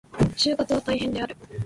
就活は大変である。